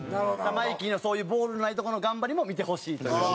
マイキーの、そういうボールのないとこの頑張りも見てほしいという。